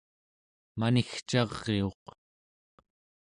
manigcariuq